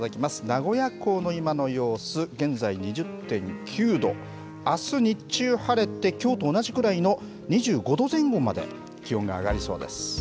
名古屋港の今の様子、現在２０．９度、あす日中晴れて、きょうと同じくらいの２５度前後まで気温が上がりそうです。